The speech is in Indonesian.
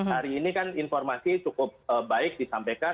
hari ini kan informasi cukup baik disampaikan